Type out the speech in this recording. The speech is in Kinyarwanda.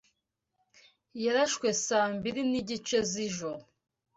yarashwe saa mbiri n’igice z’ijoro